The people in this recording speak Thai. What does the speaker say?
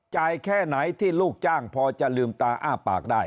แค่ไหนที่ลูกจ้างพอจะลืมตาอ้าปากได้